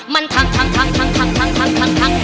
มันทังทังทังทังทังทังทังทังทังทัง